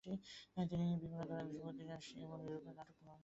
তিনি বিভিন্ন ধরনের ধ্রুপদী রুশ ও ইউরোপীয় নাটক মঞ্চস্থ করেন।